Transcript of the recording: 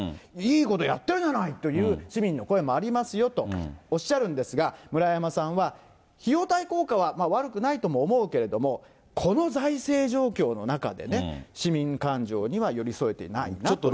いいことやってるじゃないっていう市民の声もありますよとおっしゃるんですが、村山さんは、費用対効果は悪くないとも思うけど、この財政状況の中でね、市民感情には寄り添えていないなと。